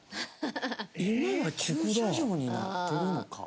「今は駐車場になってるのか」？